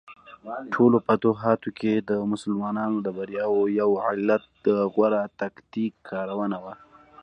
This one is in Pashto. ټولو فتوحاتو کې د مسلمانانو د بریاوو یو علت د غوره تکتیک کارونه وه.